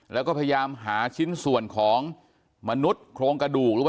แล้วก็พยายามหาชิ้นส่วนของมนุษย์โครงกระดูก